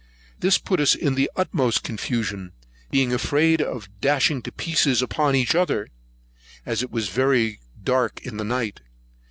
This put us in the utmost confusion, being afraid of dashing to pieces upon each other, as it was a very dark night.